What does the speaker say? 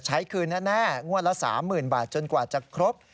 ใช้คืนแน่งวดละ๓๐๐๐บาทจนกว่าจะครบ